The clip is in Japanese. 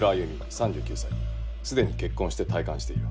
３９歳すでに結婚して退官している。